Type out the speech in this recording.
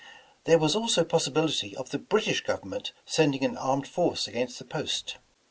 There was also possibility of the British government sending an armed force against the post.